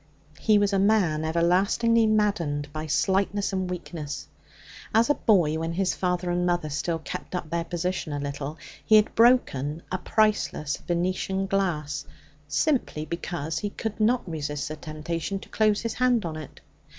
He was a man everlastingly maddened by slightness and weakness. As a boy, when his father and mother still kept up their position a little, he had broken a priceless Venetian glass simply because he could not resist the temptation to close his hand on it.